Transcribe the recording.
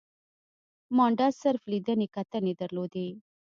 مانډس صرف لیدنې کتنې درلودې.